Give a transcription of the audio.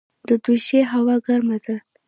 د دوشي هوا ګرمه ده